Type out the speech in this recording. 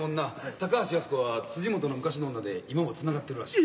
高橋靖子は辻本の昔の女で今もつながってるらしい。